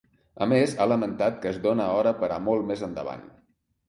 A més ha lamentat que es dóna hora per a molt més endavant.